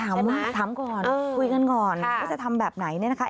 ถามก่อนคุยกันก่อนว่าจะทำแบบไหนเนี่ยนะคะ